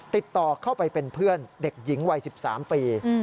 ติดต่อเข้าไปเป็นเพื่อนเด็กหญิงวัย๑๓ปี